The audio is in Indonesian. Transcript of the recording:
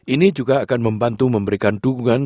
ini juga akan membantu memberikan dukungan